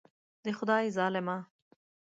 د خدای ظالمه.